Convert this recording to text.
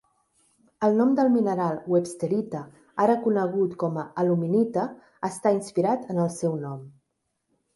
El nom del mineral websterita, ara conegut com a aluminita, està inspirat en el seu nom.